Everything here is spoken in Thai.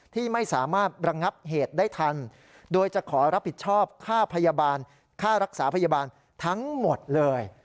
ที่ไม่สามารถระงับเหตุได้ทันโดยจะขอรับผิดชอบค่าพยาบาลค่ารักษาพยาบาลทั้งหมดเลย